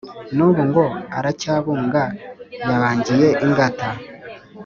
n’ubu ngo aracyabunga yabangiye ingata